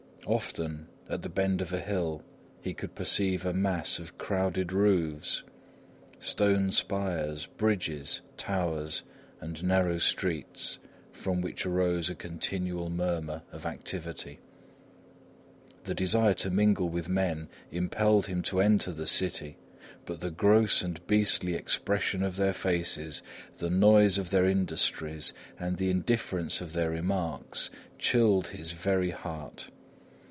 Often, at the bend of a hill, he could perceive a mass of crowded roofs, stone spires, bridges, towers and narrow streets, from which arose a continual murmur of activity. The desire to mingle with men impelled him to enter the city. But the gross and beastly expression of their faces, the noise of their industries and the indifference of their remarks, chilled his very heart.